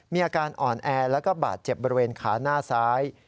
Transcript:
มีอาการอ่อนแอแล้วก็บาดเจ็บบริเวณขาหน้าซ้าย